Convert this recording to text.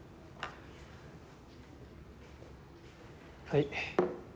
はい。